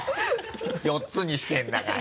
４つにしてるんだから。